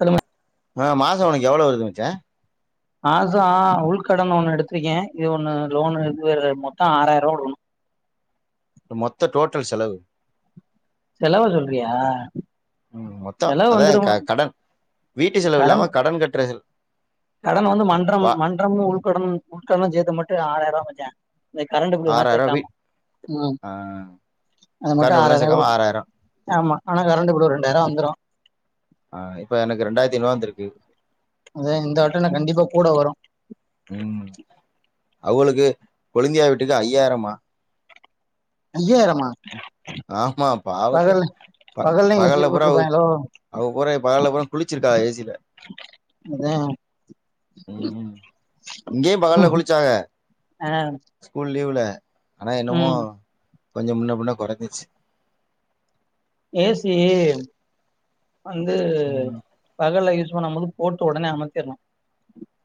சொல்லுங்க ஆ மாச உனக்கு எவ்ளோ வருது மச்சா மாச உள்கடன் ஒண்ணு எடுத்திருக்கே இது ஒண்ணு லோன் எடுத்து வேற மொத்த ஆறாயிர ரூபா குடுக்கணு மொத்த டோட்டல் செலவு செலவ சொல்றியா ம் மொத்த செலவு அதா வந்துருமா க கடன் வீட்டு செலவு இல்லாம கடன் கட்டுற கடன் வந்து மன்றம் வா மன்றமு உள்கட உள்கடன் சேர்த்து மட்டு ஆறாயரூவா மச்சா ஏ கரண்டு பில் எல்லா ஆறாயிரோ வீ சேக்காம ஆ அது மட்டு கார்னவெல்லா ஆறாயிர சேக்காம குடுக்கு ஆறாயிரோ ஆமா ஆனா கரண்ட் பில் ரெண்டாயிர வந்துரு ஆ இப்ப எனக்கு ரெண்டாயிரத்தி ஐநூறுவா வந்திருக்கு அதா இந்த வட்ட எனக்கு கண்டிப்பா கூட வரு ம் அவுகளுக்கு கொழந்தியா வீட்டுக்கு ஐயாயிரமா ஐயாயிரமா ஆமா பாவத்த பகல் ப பகல்லயு ஏசி பக பூரா போட்ருப்பாய்ங்களோ அவுக பூரா பகல்ல பூரா குளிச்சிருக்காக ஏசில அதே ம் இங்கேயு பகல்ல குளிச்சாக ஆ ஸ்கூல் லீவுல ஆனா என்னமோ ம் கொஞ்ச முன்ன பின்ன குறைஞ்சிச்சு ஏசி வந்து ம் பகல்ல யூஸ் பண்ண மட்டு போட்டு உடனே அமத்தீர்ணு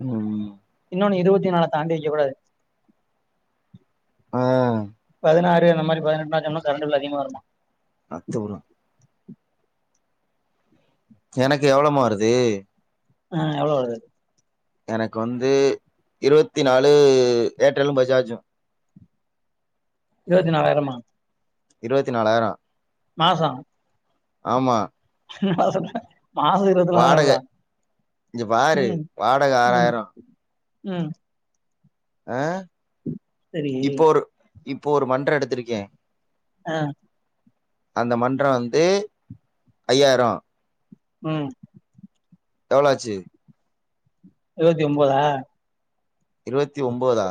ம் இருபத்தி நாலத் தாண்டி வைக்கக் கூடாது ஆ பதினாறு அந்த மாரி பதினெட்டுலா வச்சோம்னா கரண்டு பில் அதிகமா இருக்கு அத்தும்னா எனக்கு எவ்ளோ மா வருது ஆ எவ்ளோ வருது எனக்கு வந்து இருவத்தி நாலு ஏர்ட்டலு பஜாஜு இருபத்து நாலாயிரமா இருபத்தி நாலாயிரோ மாச ஆமா சும்மா சொல்ற மாசோ வாடக இருபத்லாயிரந்தா இங்க பாரு ம் வாடக ம் ஆறாயிரோ ம் அ சரி இப்ப ஒரு இப்ப ஒரு மன்ற எடுத்திருக்கே அ அந்த மன்ற வந்து ஐயாயிர ம் எவ்ள ஆச்சு இருவத்தி ஒன்போதா இருவத்தி ஒம்போதா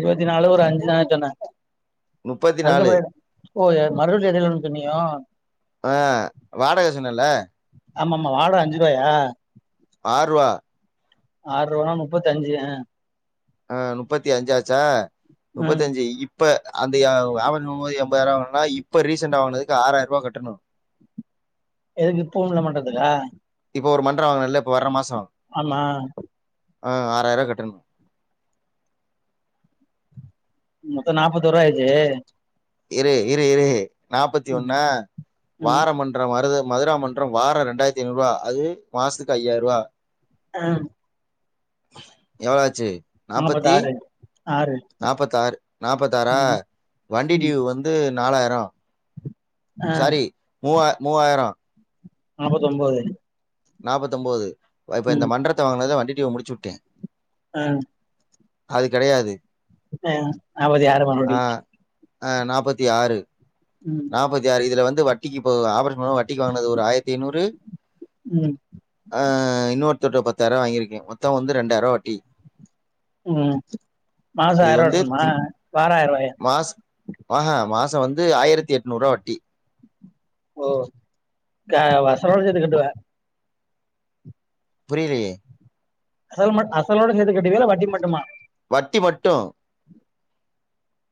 இருபத்தி நாலு ஒரு அஞ்சு நாள் சொன்னே முப்பத்தி நாலு அதுக்கப்றோ என் ஓ எர் மறுபடியு எடைல்ல ஒன்னு சொன்னியோ ஆ வாடக சொன்னல்ல ஆமா ஆமா வாரோ அஞ்சு ரூவாயா ஆறுவா ஆறு ரூபானா முப்பத்தஞ்சு ஆ முப்பத்தி அஞ்சாச்சா முப்பத்தி ம் அஞ்சு இப் இப்ப அந்த [unintelligible] எம்பதாயிரோ வாங்கனனா இப்ப ரீசெண்ட்டா வாங்கனதுக்கு ஆறாயிர ரூபா கட்டணு எதுக்கு இப்ப உள்ள மட்டதுக்கா இப்ப ஒரு மன்றோ வருதுல்ல இப்ப வர்ற மாசோ ஆமா அ ஆறாய்ர்வா கட்டணு மொத்தோ நாப்பதோர்வா ஆயிர்ச்சு இரு இரு இரு ம் நாப்பத்தொன்னா ம் வாரமன் மன்ற வருது மதுரா மன்றம் வாரொ ரெண்டாயிரத்தி ஐநூறு ரூவா அது மாசத்துக்கு ஐயாயிர்வா அ எவ்ளாச்சி நாப்பத்தாறு ஆறு நாப்பத்தாறு நாப்பத்தாறா ம் வண்டி ம் டியூ வந்து நாலாயிரொ ஆ சாரி மூவா மூவாயிரொ நாப்பத்தொம்போது நாபத்தொம்போது அ இப்ப இந்த ம் மன்றத்த வாங்கினது வண்டி ட்யூவ முடிச்சு உட்டு அ அது கெடையாது அ அப அது யாரு மறுப்டி அ நாப்பத்தியாறு ம் நாப்பத்தியாறு இதுல வந்து வட்டிக்கி இப்ப ஆபரேஷன் பண வட்டிக்கி வாங்கனது ஒரு ஆயிரத்தி ஐநூறு ம் ஆ இன்னொருத்தர்ட்ட பத்தாயிர்வா வாங்கிர்க்கே மொத்தொ வந்து ரெண்டாயிர்வா வட்டி ம் மாசோ ஆயர்வா கட்னுமா வாரொ ஆயர்வாயா மாச் ஆஹ மாசொ வந்து ஆயிரத்தி எட்நூர்வா வட்டி ஓ க அப அசலோட சேத்து கட்டுவே புரிலியே அசலு மட் அசலோட சேத்து கட்டுவியா இல்ல வட்டி மட்டுமா வட்டி மட்டு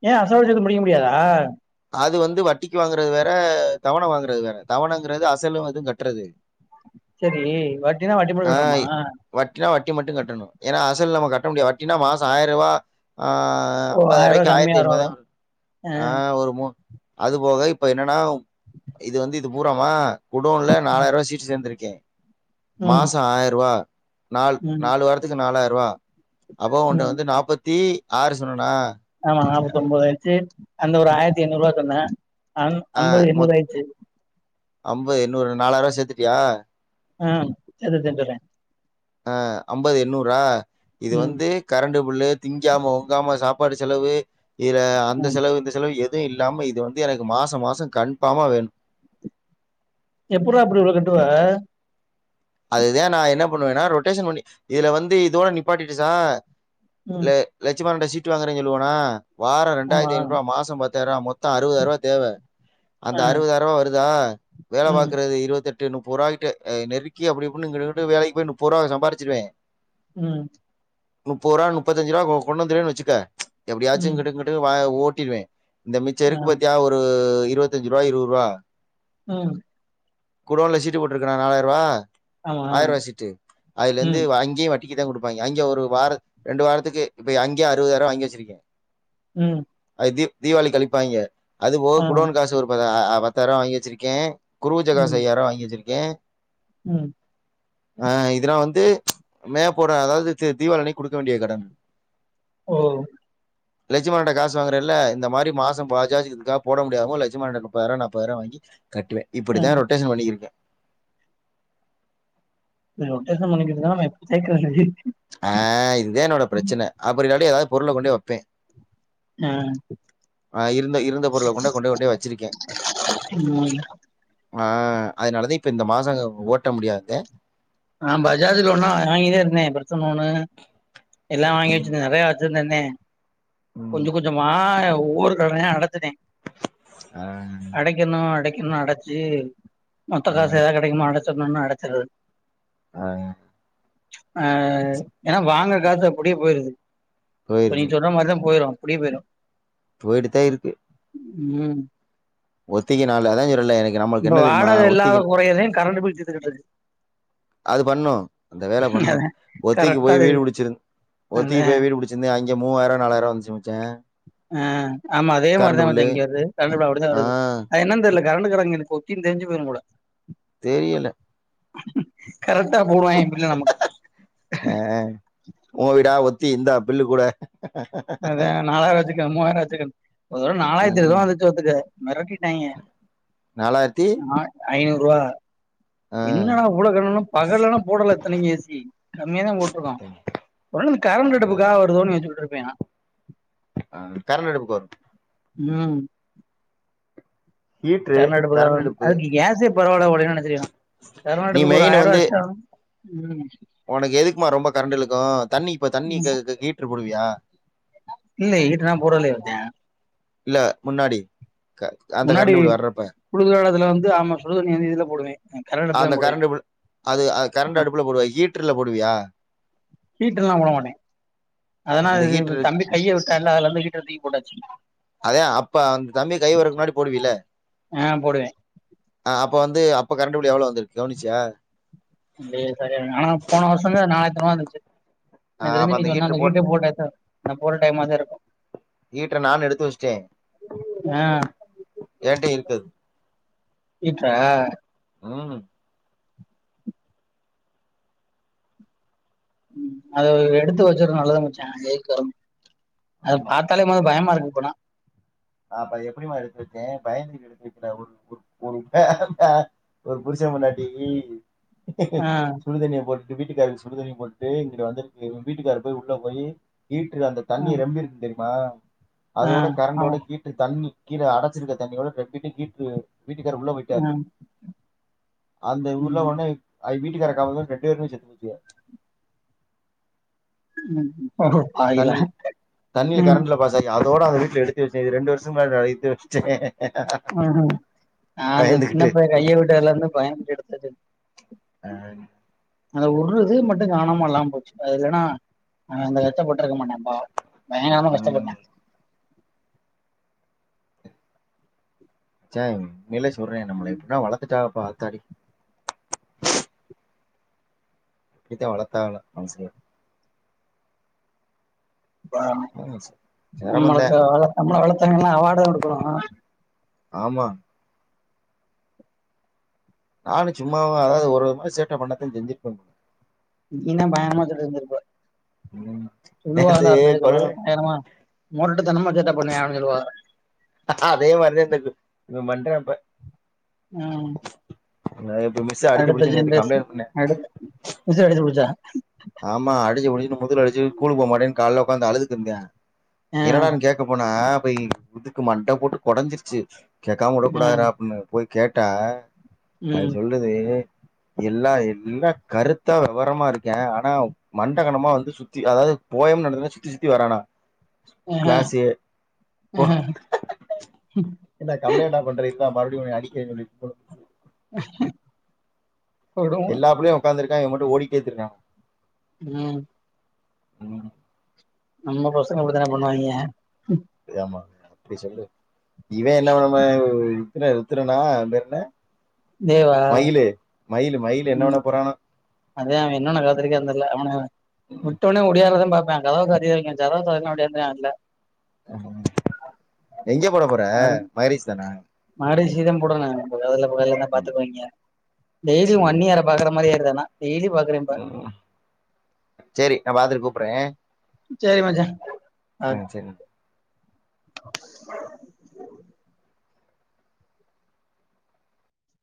ஏ அசலு சேத்து முடிக்க முடியாதா அது வந்து வட்டிக்கி வாங்கறது வேற தவண வாங்கறது வேற தவணகிங்றது அசலு இதுங் கட்றது செரி வட்டினா வட்டி மட்டு ஆ கட்டணுமா வட்டினா வட்டி மட்டு கட்டன எனா அசல் நம்ம கட்ட முடியா வட்டினா மாசொ ஆயிரவா ஆ அ ஓ ஆயிரூவா அம்பதாயர்வாய்க்கி கம்மியா ஆயிரத்தி வரு ஐநூர்வாதா வரு ஆ அ ஒரு மொ அது போக இப்ப என்னனா இது வந்து இது பூராமா குடோன்ல ம் நாலாயிர்வா சீட்டு சேந்துருக்கே ம் மாசோ ஆயிர்வா நால் ம் நாலு வாரத்துக்கு நாலாயிர்வா அப்ப ஓன்ட்ட ம் வந்து நாப்பத்தி ஆறு சொன்னனா ஆமா நாப்பத்தொம்பதாயிர்ச்சி அந்த ஒரு ஆயிரத்திஐநூறுவா சொன்னே ஆ மொத் அம்பது இன்னொரு நாலாயிர்வா சேத்துட்டியா அ சேத்துட்தா இக்கறே அ அம்பது எண்ணூரா இது ம் வந்து கரண்டு புல்லு திங்காம உங்காம சாப்பாடு செலவு இதுல அந்த ம் செலவு இந்த செலவு எத் து இல்லாம இது வந்து எனக்கு மாசோ மாசொ கான்ஃபார்மா வேண் எப்புறா அப்டி இவ்ளோ கட்டுவே அதுதே நா என்னாப் பண்ணுவேனா ரொட்டேஷன் பண்ணி இதுல வந்து இதோட நிப்பாட்டிடு சா ம் லே லட்சுமனன்ட்ட சீட்டு வாங்கறே சொல்லுவனா வாரொ ஆமா ரெண்டாயிரத்திஐநூர்வா மாசம் பத்தாயிர்வா மொத்தொ அறுவதாயர்வா தேவ அந்த ஆ அறுபதாயிர்வா வருதா வேல ம் பாக்கறது இருவத்தெட் டு நுப்பூராகிட்டு அ நெருக்கி அப்டி இப்டி நிங்குனுங்குட்டு வேலைக் போய் நுப்பூரா சம்பாருச்சிருவே ம் நுப்பூரா நுப்பத்தஞ்ச்சிருவா கொ கொண்டுந்துருவேன் வெச்சுக்க எப்டியாச்சு ம் கிடுங்கிட் டு வா ஓட்டிருவே இந்த மிச்ச ஆ இருக் பத்தியா ஒரு இருவத்தஞ்சுருவா இரூறுவா ம் குடோன்ல சீட்டு போட்ருக்கனா நாலாயிரவா ஆமா. ஆயிர்வா சீட்டு அதுலந்து ம், அங்கியே வட் டிகிதா குடுப்பாய்ங்க அங்க ஒரு வாரத் ரெண்டு வாரத்துக்கு இப்பய அங்யே அறுவதாயிர்வா வாங்கி வெச்சிருக்கே ம் அது தீவ் தீவாளி கழிப்பாங்க அது போக ஆ, குடோனு காசு ஒருபதா பத்தாயிரா வாங்கி வெச்சிருக்கே குருவச்ச காச ம், ஐயாயிர்வா வாங்கி வெச்சிருக்கே ம் ஆ இதுனா வந்து மேப்போட அதாவ்துது தீபாவளி அன்னைக் குடுக்க வேண்டிய கடன் ஓ லட்சுமணட்ட காசு வாங்குறல்ல அந்த மாரி மாச பஜாஜ் இதுக்காக போட முடியாதங்க லட்சுமணாட்ட முப்பதாயிரூவா நாப்பதாயிரூவா வாங்கி கட்டுவே ஆ. இப்டித்தா ரொட்டேஷன் பண்ணிருக்கே ரொட்டேஷன் பண்ணிக்கிட்ருந்தா நா எப்டி சேக்குறது ஆ இதுதா என்னோட பிரச்சன அப்டி இல்லாட்டி ஏதாது பொருள கொண்டே வப்பே ஆ, ஆ இருந்த இருந்த பொருள கொண்ட கொண்ட கொண்டேயி வச்சிருக்கே ம் ஆ அதனால தா இப்ப இந்த மாச ஓட்ட முடியாது நா பஜாஜ் லோன்லா வாங்கி தா இருந்தே அப்ற பர்ச லோனு எல்லா வாங்கி ம், வச்சுருந்தே நெறையா வச்சிருந்தேந்தே ம், கொஞ்ச கொஞ்சமா ஒவ்வொரு கடனையு அடச்சுட்டே ஆ, அட க்கணு அடக்கணு அடச்சு மொத்த ஆ, காசு எதா கெடைக்கும்போ அடைச்சிட்ணுன்னு அடைச்சிர்றது ஆ ஆ ஏன்னா வாங்குற காசு அப்டியே போயிருது இப்ப நீ போயிருது சொல்ற மாரிதா போயிரு அப்டியே போயிரு போயிட்டுதா இருக்கு ம் ஒத்திக்கினால அதா சொல்றேல்ல எனக் இப்ப வாடகை இல்லாத கொறையதே கரண்டு பில் தீத்துக்கிட்ருக்கு அது பண்ணு அந்த வேல பண்ணு அதான் ஒத்திக்கு கரெக்ட்டா போய் வீடு இது. புடிச்சிரு அ. ஒத்திக்கு போய் வீடு புடிச் சுருந்தே அங்க மூவாயிரூவா நாலாயிரூவா வந்துச்சு மச்சா ஆ ஆமா அதே மாரிதா மச்சா இங்க வருது கரண்டு பில் அப்டிதா ஆ வருது அது என்னன் தெர்ல கரண்டுக்காறாங்களுக் ஒத்தினு தெரிஞ்சு போயிரு போல தெரியில கரெட்டா போடுவாய்ங்க பில்லு நமக்கு உங்க வீடா ஒத்தி இந்தா பில்லு கூட ஆ அதா நாலாயிருவா வச்சிக்க மூவாயிருவா வச்சிக்கன்னு ஒரு தரவ நாலாயிரத்தி இருவதுரூவா ம் வந்துச்சு பாத்துக்க மெரட்டிட்டாய்ங்க நாலாயிரத்தி ஆ ஐநூறுவா ஆ என்னடா இவ்ள கூடன்னு பகல்லலா போடல இத்தனக்கு ஏ சி கம்மியா தா போட்ருக்கோ ஒருவேள இந்த கரண்டு அடுப்புக்காக வருதோன்னு நெனச்சுட்டுருப்பே நா ஆ கரண்ட் அடுப்புக்கு வரு ம் ஹீட்ரு கரண்ட் அடுப்புக்காக வரு அடுப்பு அதுக்கு கேஸ்ஸே பரவாயில்ல ஓடன்னு நெனச்சிப்ப நா கரண்ட் நீ அடுப்புக்கு ஒரு ஆயிரூவா எஷ்டா வரு ம் ஒனக்கு எதுக்குமா ரொம்ப கரண்ட் இழுக்கு தண்ணி இப்ப தண்ணி ம் க ஹீட்ரு போடுவியா இல்ல ஹீட்ருலா போடலையே மச்சா இல்ல முன்னாடி க அந்த கரண்டு பில் வர்றப்ப குளுர் காலத்துல வந்து ஆமா சுடு தண்ணி வந்து இதுல போடுவே கரண்ட் அடுப்புல தா அந்த போடுவே கரண்ட் பில் அது ஆ கரண்ட் அடுப்புல போடுவே ஹீட்டர்ல போடுவியா ஹீட்ருல்லா போட மாட்டே அதனா அந்த இது ஹீட்டரு தம்பி கைய விட்டான்ல அதுலருந்து ஹீட்டர் தூக்கி போட்டாச்சு அதே அப்ப அந்த தம்பி கை விட்றக்கு முன்னாடி போடுவில்ல ஆ போடுவே ஆ அப்போ வந்து அப்போ கரண்ட் பில் எவ்ளோ வந்துரு கவனிச்சியா இல்லயே சரியா ஆனா போன வருஷோ நாலாயிரத்தைனூறுவா வந்துச்சு ஆ எனக் தெரிஞ்சி அப்ப நீ சொன்ன அந்த ஹீட்டர் போட் ஹீட்ரு போட்டாதா நா போற டைமாதா இருக்கு ஹீட்ரு நானு எடுத்து வஸ்ட்டே ஆ ஏன்ட்டயு இருக்கு ஹீட்றா ம் ம் அது எடுத்து வச்சது நல்லதா மச்சா அந்த ஹீட்டரு அத ஆமா பாத் தாலே மொத பயமா இருக்கு இப்போலா நா அப்ப அத எப்டிமா எடுத்து வச்சே பயந்துகிட்டு எடுத்து வைக்கல ஒரு ஒரு பேம் இப்ப ஒரு புருஷன் பொண்டாட்டி ஆ சுடுதண்ணிய போட் டு வீட்டுக்காருக்கு சுடுதண்ணி போட்டு இங்கிட்டு வந்துருக்கு இவ்ங்க வீட்டுக்காரு போய் உள்ள போயி ஹீட்ரு அந்த ஆ தண்ணி நெம்பிருக்கு தெரிமா ஆ அதோட கரண்டோட ஆமா ஹீட்ரு தண்ணி கீழ அடச்சிருக்க தண்ணியோட கெட்டிட்டு ஹீட்ரு வீட்டுக்காரு உள்ள ஆ போய்ட்டாரு அந்த உள்ள ம் ஒட்னே அது வீட்டுக்காரக்கா அவுங்க ரெண்டு பேருமே செத்து போச்சுங்க ம் அடோ பாவ்கிளா ம் சரி அதோட அந்த ஹீட்ரு எடுத்து வச்சே இது ரெண்டு வர்ஷோ மேல ஆய்ட்டு ம் ம் நா அந்த சின்ன பயந்துகிட்டு பையன் கைய உட்டதலர்ந்து பயந்துட்டு எடுத்து வச்சுட் டேன் அந்த உட்றது மட்டு காணாம் இல்லாம் போச்சு அது இல்லனா அவன் அந்த கஷ்டப்பட்ருக்க மாட்டான் பாவோ பயங்கரமா ம் கஷ்டபட்டான் சா உண்மேல சொல்றே நம்மள எப்புனா வளத்துட்டாகப்பா ஆத்தாடி எப்டித்தா வளத்தாங்லோ மனுஷங்க அ ஆமா சார் சிரமம்தான் நம்மளுக்கு வளத் நம்மள வளத்தவ்ங்கலா அவாடுதா குடுக்குணு ஆ ஆமா நானு சும்மாவா அதாவ்து ஒரு ரொம்ப சேட்ட பண்ணத்தா செஞ்சுர்ப்பன் போல நீலா பயங்ரமா சேட்ட செஞ்சிருப்ப ம். சொல்லுவாங்க நேத்து அப்பிடி கொடல சொல்லுவாங்க பயங்கரமா மொரட்டு தனமா சேட்ட பண்ணுவே அப்டின் சொல்லுவாங்க அதே மாரிதா இந்த இது இவன் பண்றான் இப்ப ம் எங்க எப்ப மிஸ்ஸு அடுத்த ஜென்ரேஷன் அடுத்து மிஸ்ஸு அடிச்சு புட்ச்சா ஆமா அடிச்சு புடிச்சுட்டு முதுல அடிச்சுட்டு கூலுக்கு போ மாட்டேன் கால்ல உக்காந்து அழுதுட்டு இருந்த என்னடான் கேக்க போனா போய் இதுக்கு மண்ட போட்டு கொடஞ்சிர்ச்சு கேக்காம உடக்கூடாதுறா அப்புன்னு போய் கேட்டா அது சொல் லுது எல்லா எல்லா கருத்தா வெவரமா இருக்கேன் ஆ னா மண்டகனமா வந்து சுத்தி அதாவது போயம் நடத்துனா சுத்தி சுத்தி வரானா கிளாஸ் ஏ போ ஏன்டா கம்ப்ளைண்டா பண்ற இருடா மறுபுடியு உன்ய அடிக்கேன் சொல்லிது விடுவோம் எல்லா பிள்ளையு உக்காந்துருக்கான் இவன் மட்டு ஓடிட்டே திர்றான் ம் ம், நம்ம பசங்க அப்டித்தான பண்ணுவாய்ங்க ஆமா அப்டி சொல்லு இவேன் என்ன பண்ணும ருத்துன ருத்துரனா அவன் பேரென்ன தேவா மயிலு மயிலு என்ன பண்ண போறானோ அதா அவன் என்ன பண்ண காத்திருக்கான் தெர்ல அவன விட்டேனே ஒடியோரதா பாப்பே கதவை சரிய இருக்கும் சதவு சலாம்டியாந்தான் இல்ல எங்கே போட போற மகரிஷி தானா மகரிஷி தா போடு நாங்க [unintelligible] தான் ம், பாத்துக்குவீங்க சரி அண்ணியார பாக்குற மாதிரா இருக்கான டெய்லி பாக்றே இப்ப சேரி நா பா்த்துட் கூப்றே சரி மஜா ஆ சேரி